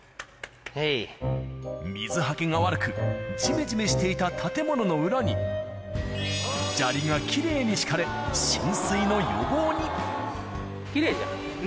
水はけが悪く、じめじめしていた建物の裏に、砂利がきれいに敷かれ、きれいじゃん、ね。